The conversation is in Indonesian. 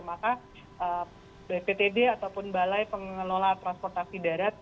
maka bptd ataupun balai pengelola transportasi darat